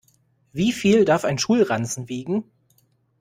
Wie viel darf ein Schulranzen wiegen?